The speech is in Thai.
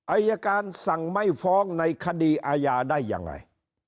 อายการสั่งไม่ฟ้องในคดีอาญาได้ยังไง